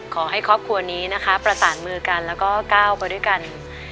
ขอให้ครอบครัวนี้นะคะประสานมือกันแล้วก็ก้าวไปด้วยกัน